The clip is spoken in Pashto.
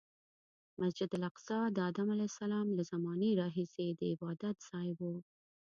مسجد الاقصی د ادم علیه السلام له زمانې راهیسې د عبادتځای و.